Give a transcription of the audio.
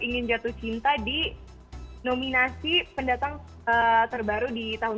ingin jatuh cinta di nominasi pendatang terbaru di tahun dua ribu dua puluh